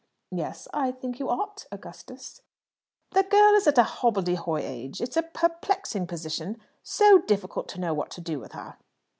"Yes; I think you ought, Augustus." "The girl is at a hobbledehoy age. It's a perplexing position. So difficult to know what to do with her."